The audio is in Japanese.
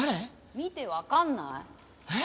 見てわかんない？えっ？